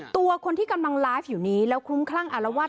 ตัวคนที่กำลังไลฟ์อยู่นี้แล้วคลุ้มคลั่งอารวาส